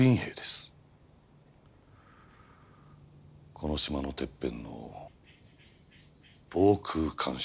この島のてっぺんの防空監視所。